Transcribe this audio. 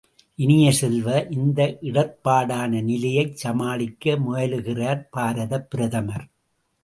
இனிய செல்வ, இந்த இடர்ப்பாடான நிலையைச் சமாளிக்க முயலுகிறார் பாரதப் பிரதமர்!